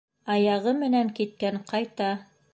Аяғы менән киткән ҡайта